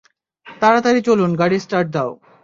তাড়াতাড়ি চলুন -গাড়ী স্টার্ট দাও।